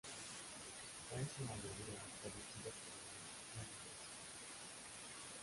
Fue en su mayoría producido por los Bee Gees.